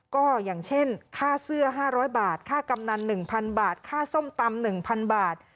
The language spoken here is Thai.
ก็อย่างเช่นค่าเสื้อ๕๐๐บาทค่ากำนัน๑๐๐บาทค่าส้มตำ๑๐๐บาท